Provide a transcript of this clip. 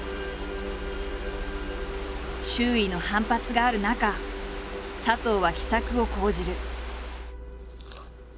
周囲の反発がある中佐藤は奇策を講じる。